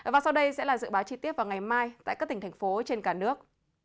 và sau đây sẽ là dự báo chi tiết vào ngày mai tại các tỉnh thành phố trên cả nước